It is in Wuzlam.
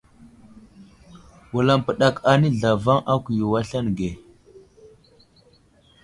Wulampəɗak anay zlavaŋ a kuyo aslane ge.